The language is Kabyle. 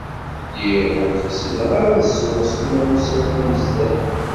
Lliɣ ur d-qsideɣ ara ad ssruɣ Sliman u Saɛid Amezdat.